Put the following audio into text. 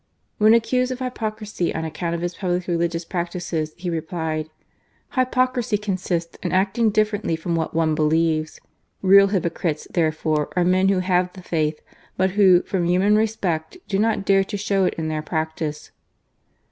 " When accused of hypocrisy on account of his public religious practices, he replied :" Hypocrisy consists in acting differently from what one believes. Real hypocrites, therefore, are men who have the faith, but who, from human respect, do not dare to show it in their practice."